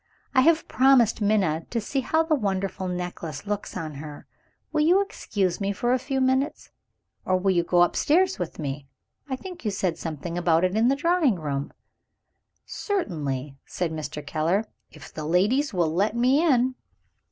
I have promised Minna to see how the wonderful necklace looks on her. Will you excuse me for a few minutes? Or will you go upstairs with me? I think you said something about it in the drawing room." "Certainly," said Mr. Keller, "if the ladies will let me in."